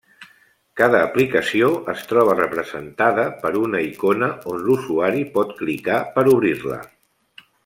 Cada aplicació es troba representada per una icona, on l'usuari pot clicar per obrir-la.